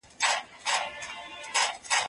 زه اوږده وخت مړۍ خورم!.